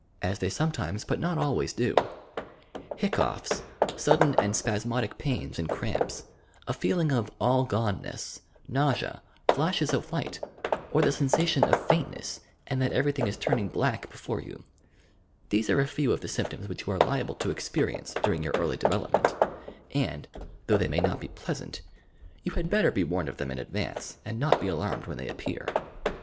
— as they sometimes but not always do. Hiccoughs, sudden and spasmodic pains and cramps, a feeling of "all goneness," nausea, flashes of light, or the sensation of faintness and that everything is turning black before you — these are a few of the symptoms which you are liable to experience during your early development; and, though they may not be pleas ant, you had better be warned of them in advance, and not be alarmed when they appear.